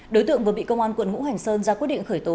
đối tượng vừa bị công an quận ngũ hành sơn ra quyết định khởi tố